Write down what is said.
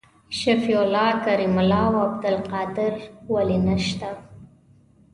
شفیع الله کریم الله او عبدالقادر ولي نسته؟